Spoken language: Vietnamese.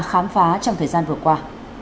khám phá trong thời gian vừa qua